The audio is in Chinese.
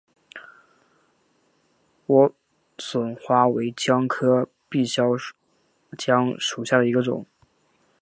莴笋花为姜科闭鞘姜属下的一个种。